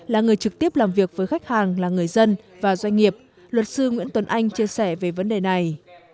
là người trực tiếp làm việc với khách hàng là người dân và doanh nghiệp luật sư nguyễn tuấn anh chia sẻ về vấn đề này